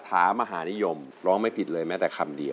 โทษใจโทษใจโทษใจโทษใจโทษใจโทษใจโทษใจโทษใจโทษใจ